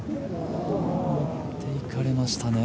持っていかれましたね。